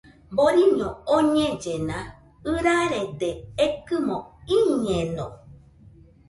Boriño oñellena, ɨrarede ekɨmo iñeno